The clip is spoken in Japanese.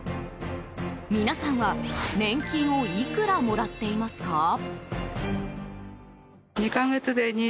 皆さんは年金をいくらもらっていますか？